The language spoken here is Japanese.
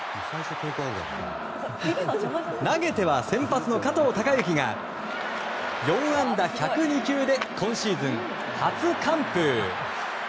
投げては先発の加藤貴之が４安打１０２球で今シーズン初完封！